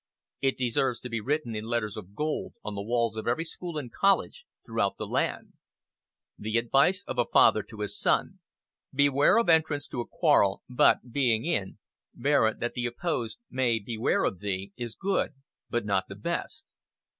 It deserves to be written in letters of gold on the walls of every school and college throughout the land: "The advice of a father to his son, 'beware of entrance to a quarrel, but, being in, bear it that the opposed may beware of thee,' is good, but not the best.